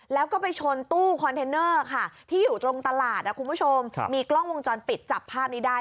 แล้วก็ไปชนตู้คอนเทนเนอร์ค่ะที่อยู่ตรงตลาดคุณผู้ชมมีกล้องวงจรปิดจับภาพนี้ได้